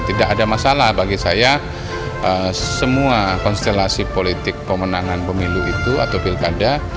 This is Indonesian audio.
tidak ada masalah bagi saya semua konstelasi politik pemenangan pemilu itu atau pilkada